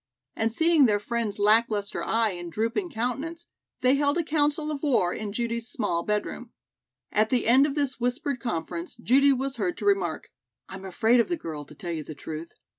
And seeing their friend's lack lustre eye and drooping countenance, they held a counsel of war in Judy's small bedroom. At the end of this whispered conference, Judy was heard to remark: "I'm afraid of the girl, to tell you the truth.